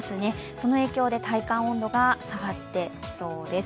その影響で体感温度が下がってきそうです。